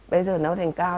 bây giờ nấu thành cao